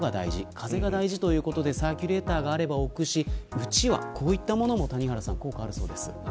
風が大事ということでサーキュレーターがあれば置くしうちわも効果があるそうです。